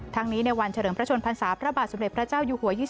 ทั้งนี้ในวันเฉริงพระชนพันธุ์ศาสตร์พระบาทสมเด็จพระเจ้าอยู่หัว